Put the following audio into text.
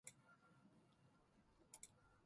あの日あの時